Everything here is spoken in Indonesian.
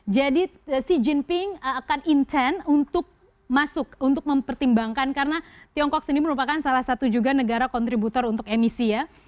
jadi xi jinping akan intend untuk masuk untuk mempertimbangkan karena tiongkok sendiri merupakan salah satu juga negara kontributor untuk emisi ya